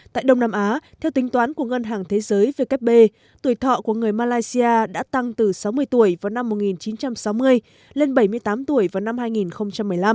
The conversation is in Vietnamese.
tại đông nam á theo tính toán của ngân hàng thế giới vkp tuổi thọ của người malaysia đã tăng từ sáu mươi tuổi vào năm một nghìn chín trăm sáu mươi lên bảy mươi tám tuổi vào năm hai nghìn một mươi năm